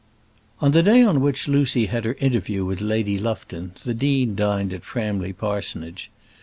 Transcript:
On the day on which Lucy had her interview with Lady Lufton the dean dined at Framley Parsonage.